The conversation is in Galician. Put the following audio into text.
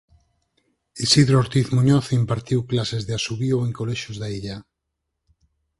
Isidro Ortiz Muñoz impartiu clases de asubío en colexios da illa.